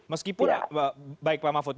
meskipun baik pak mafud